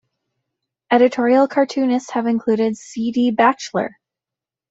Editorial cartoonists have included C. D. Batchelor.